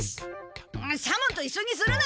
左門といっしょにするな！